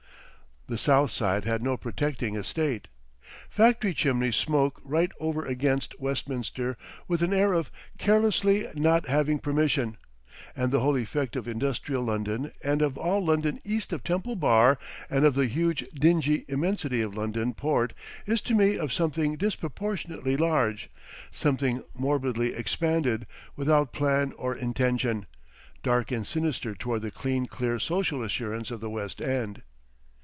The south side had no protecting estate. Factory chimneys smoke right over against Westminster with an air of carelessly not having permission, and the whole effect of industrial London and of all London east of Temple Bar and of the huge dingy immensity of London port is to me of something disproportionately large, something morbidly expanded, without plan or intention, dark and sinister toward the clean clear social assurance of the West End.